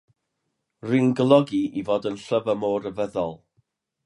Rwy'n golygu ei fod yn llyfr mor rhyfeddol.